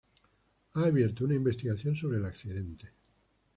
Ha abierto una investigación sobre el accidente.